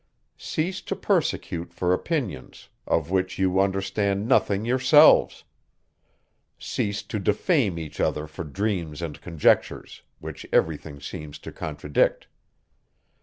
Cease to persecute for opinions, of which you understand nothing yourselves; cease to defame each other for dreams and conjectures, which every thing seems to contradict.